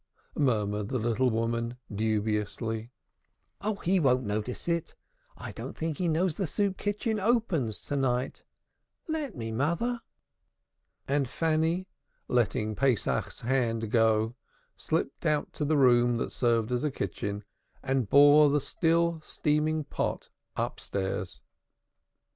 murmured the little woman dubiously. "Oh, he won't notice it. I don't think he knows the soup kitchen opens to night. Let me, mother." And Fanny, letting Pesach's hand go, slipped out to the room that served as a kitchen, and bore the still steaming pot upstairs.